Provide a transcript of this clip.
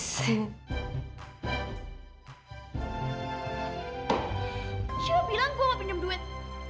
siapa bilang gue mau minjem duit